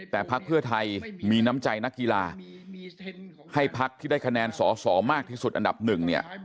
แต่พักเพื่อไทยมีน้ำใจนักกีฬาให้พักที่ได้คะแนนสอสอมากที่สุดอันดับหนึ่งเนี่ย